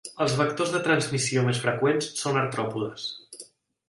Els vectors de transmissió més freqüents són artròpodes.